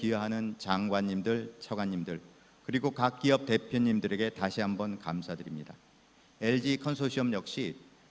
yang telah menyertai kami hari ini